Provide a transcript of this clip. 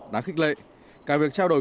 đã khích lệ cả việc trao đổi